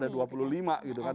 ada dua puluh lima gitu kan